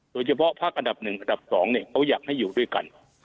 โดยเฉพาะพักอันดับ๑อันดับ๒เขาอยากให้อยู่ด้วยกัน